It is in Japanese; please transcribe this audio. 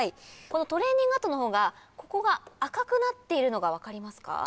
トレーニング後の方がここが赤くなっているのが分かりますか？